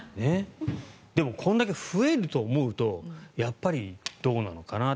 でもこんだけ増えると思うとやっぱりどうなのかな。